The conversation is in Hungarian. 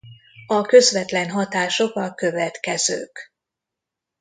A közvetlen hatások a következők.